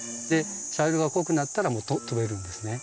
茶色が濃くなったらもう飛べるんですね。